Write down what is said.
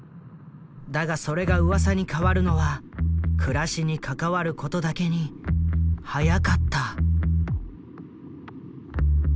だがそれがうわさに変わるのは暮らしに関わることだけに早かった。